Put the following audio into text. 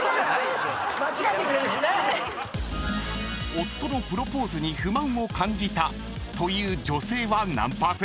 ［夫のプロポーズに不満を感じたという女性は何％？］